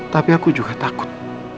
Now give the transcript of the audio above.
tapi aku juga takut